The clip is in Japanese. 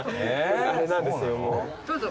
どうぞ。